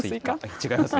違いますね。